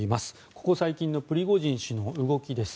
ここ最近のプリゴジン氏の動きです。